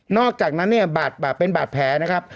อกจากนั้นเนี่ยเป็นบาดแผลนะครับ